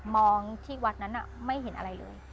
มองที่วัดนั้นไม่เห็นอะไรเลย